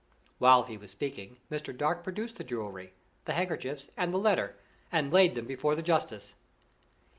While he was speaking, Mr. Dark produced the jewelry, the handkerchiefs and the letter, and laid them before the justice.